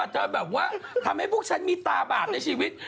เธอแบบว่าทำให้พวกฉันมีตาบาปในชีวิต